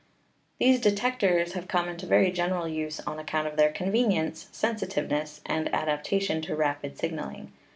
These detectors have come into very general use on ac count of their convenience, sensitiveness, and adaptation to rapid signaling.